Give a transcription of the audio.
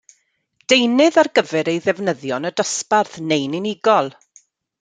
Deunydd ar gyfer ei ddefnyddio yn y dosbarth neu'n unigol.